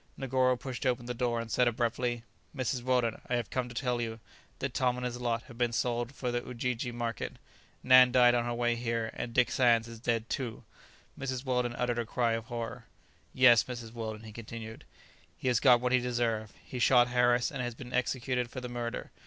Negoro pushed open the door, and said abruptly, "Mrs. Weldon, I have come to tell you, that Tom and his lot have been sold for the Ujiji market; Nan died on her way here; and Dick Sands is dead too." Mrs. Weldon uttered a cry of horror. "Yes, Mrs. Weldon," he continued; "he has got what he deserved; he shot Harris, and has been executed for the murder.